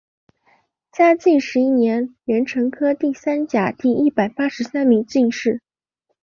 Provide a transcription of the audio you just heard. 嘉靖十一年壬辰科第三甲第一百八十三名进士。